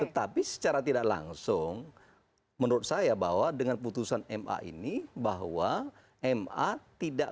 tetapi secara tidak langsung menurut saya bahwa dengan putusan mk itu salah atau ini kan juga tidak